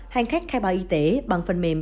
hành khách khai báo y tế bằng phần mềm